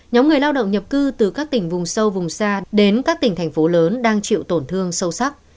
nhóm người lao động nhập cư từ các tỉnh vùng sâu vùng xa đến các tỉnh thành phố lớn đang chịu tổn thương sâu sắc